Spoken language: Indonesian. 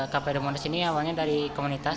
kafe doraemon di sini awalnya dari komunitas